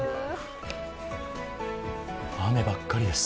雨ばっかりです。